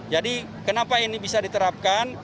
jadi kenapa ini bisa diterapkan